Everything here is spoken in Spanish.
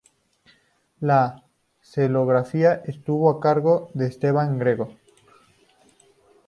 La coreografía estuvo a cargo de Esteban Greco.